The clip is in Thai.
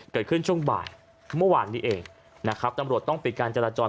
เกิดขึ้นช่วงบ่ายเมื่อวานนี้เองนะครับตำรวจต้องปิดการจราจร